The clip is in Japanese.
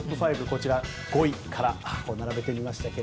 こちら、５位から並べてみましたが。